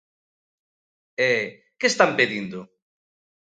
E ¿que están pedindo?